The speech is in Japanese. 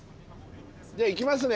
じゃあ行きますね。